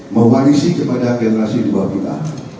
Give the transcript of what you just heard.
mewarisi kepada generasi di bawah kita